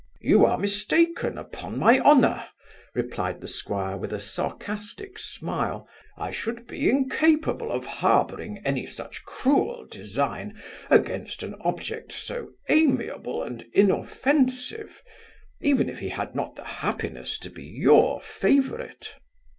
'You are mistaken, upon my honour! (replied the squire, with a sarcastic smile) I should be incapable of harbouring any such cruel design against an object so amiable and inoffensive; even if he had not the happiness to be your favourite.